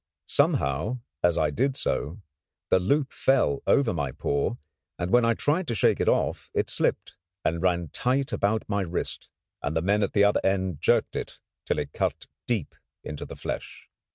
Somehow, as I did so, the loop fell over my paw, and when I tried to shake it off it slipped, and ran tight about my wrist, and the men at the other end jerked it till it cut deep into the flesh.